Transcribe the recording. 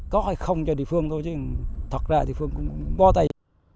có hay không cho địa phương thôi chứ thật ra thì phương cũng bỏ tay